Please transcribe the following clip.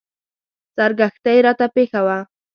سرګښتۍ راته پېښه وه.